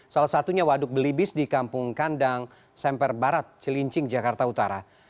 salah satunya waduk belibis di kampung kandang semper barat cilincing jakarta utara